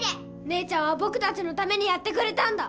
姉ちゃんは僕たちのためにやってくれたんだ。